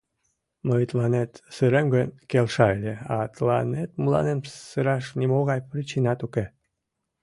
— Мый тыланет сырем гын, келша ыле, а тыланет мыланем сыраш нимогай причинат уке.